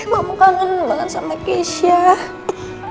mama kangen banget sama keisha